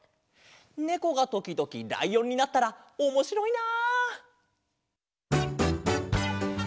ねこがときどきらいおんになったらおもしろいな！